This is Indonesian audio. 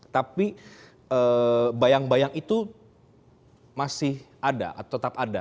tapi bayang bayang itu masih ada atau tetap ada